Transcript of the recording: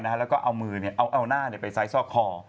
ดักกางที่สามารถไปไซซอลซอกคอ